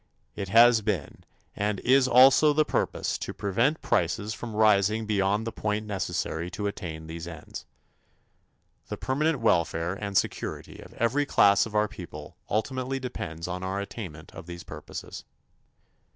It has been and is also the purpose to prevent prices from rising beyond the point necessary to attain these ends. The permanent welfare and security of every class of our people ultimately depends on our attainment of these purposes.